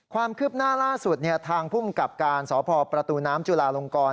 ความคืบหน้าล่าสุดทางภูมิกับการสพประตูน้ำจุลาลงกร